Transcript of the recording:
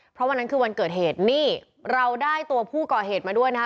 เพราะวันนั้นคือวันเกิดเหตุนี่เราได้ตัวผู้ก่อเหตุมาด้วยนะคะ